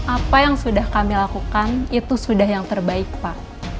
apa yang sudah kami lakukan itu sudah yang terbaik pak